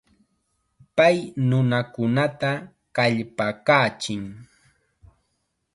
Pay nunakunata kallpakachin.